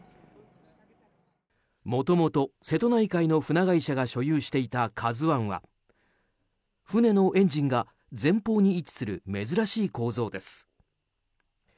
もともと、瀬戸内海の船会社が所有していた「ＫＡＺＵ１」は船のエンジンが前方に位置する珍しい構造です。